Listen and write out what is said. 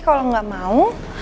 kalau gak mau